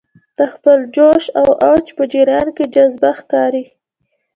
د خپل جوش او اوج په جریان کې جذابه ښکاري.